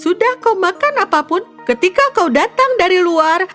sudah kau makan apapun ketika kau datang dari luar